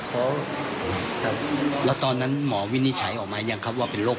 ก็คล้ายกันกับน้องสาวของตัวเองเลย